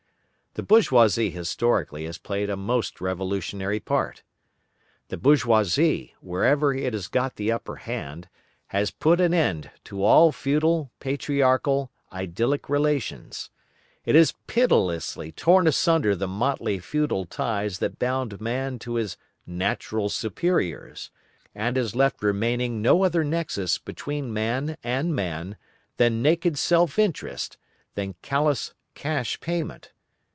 The bourgeoisie, historically, has played a most revolutionary part. The bourgeoisie, wherever it has got the upper hand, has put an end to all feudal, patriarchal, idyllic relations. It has pitilessly torn asunder the motley feudal ties that bound man to his "natural superiors," and has left remaining no other nexus between man and man than naked self interest, than callous "cash payment."